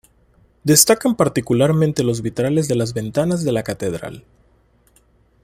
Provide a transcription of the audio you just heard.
Destacan particularmente los vitrales de las ventanas de la catedral.